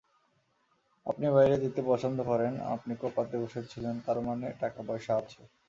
আপনি বাইরে যেতে পছন্দ করেন, আপনি কোপাতে বসেছিলেন, তারমানে টাকাপয়সা আছে।